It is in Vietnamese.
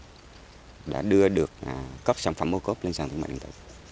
các đơn vị liên quan đã đưa được các sản phẩm mô cốt lên sàn thủ mệnh